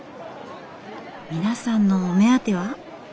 皆さんのお目当ては？